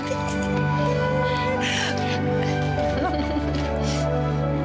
tunggu di sini